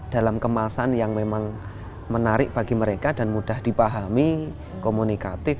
dalam kemasan yang memang menarik bagi mereka dan mudah dipahami komunikatif